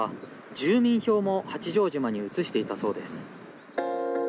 住民票も八丈島に移していたそうです。